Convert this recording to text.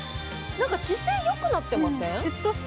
なんか、姿勢よくなってません？